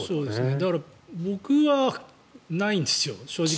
だから、僕はないんですよ